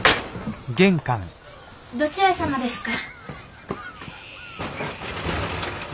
どちら様ですか？